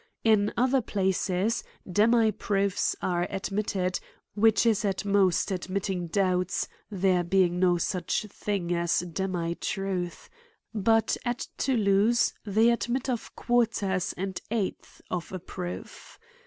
In other pla ces demi proofs are admitted, which is at most admitting doubts, there being no such thing as demi tiuth ; but at Thoulouse they admit of quar ters and eighths of a proof.